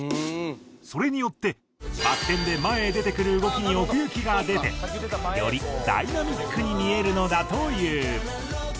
それによってバク転で前へ出てくる動きに奥行きが出てよりダイナミックに見えるのだという。